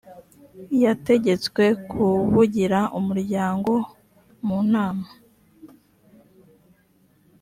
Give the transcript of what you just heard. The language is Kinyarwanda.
yateegetswe kuvugira umuryango mu nama